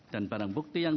dan barang bukti yang